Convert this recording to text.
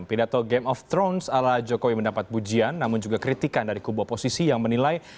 pidato game of thrones ala jokowi mendapat pujian namun juga kritikan dari kubu oposisi yang menilai